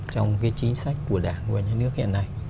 trong cái chính sách của đảng và nhà nước hiện nay